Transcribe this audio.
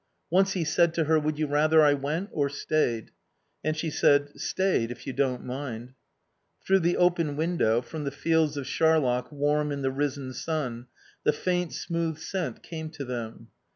Once he said to her, "Would you rather I went or stayed?" And she said, "Stayed, if you don't mind." Through the open window, from the fields of charlock warm in the risen sun, the faint, smooth scent came to them.